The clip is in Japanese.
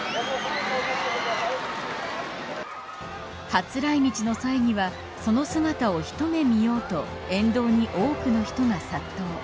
初来日の際にはその姿を一目見ようと沿道に多くの人が殺到。